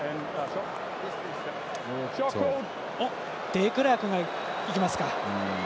デクラークがいきますか。